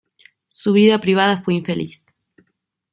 Su vida privada fue infeliz.